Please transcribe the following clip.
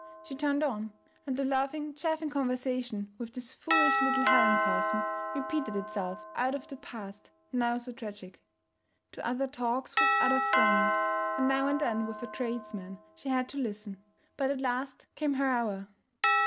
She turned on, and the laughing, chaffing conversation with this foolish little Helen person repeated itself out of the past now so tragic. To other talks with other friends, and now and then with a tradesman, she had to listen; but at last came her hour.